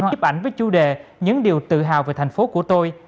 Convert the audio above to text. chụp ảnh với chủ đề những điều tự hào về thành phố của tôi